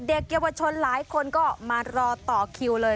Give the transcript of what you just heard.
เด็กเยาวชนหลายคนก็มารอต่อคิวเลย